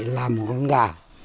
làm một con gà